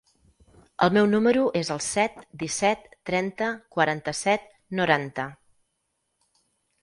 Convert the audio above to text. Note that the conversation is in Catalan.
El meu número es el set, disset, trenta, quaranta-set, noranta.